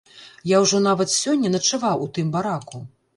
Я ўжо нават сёння начаваў у тым бараку.